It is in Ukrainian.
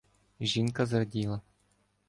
Жінка зраділа.